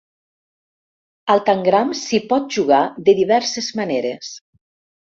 Al Tangram s'hi pot jugar de diverses maneres.